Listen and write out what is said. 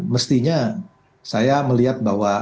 mestinya saya melihat bahwa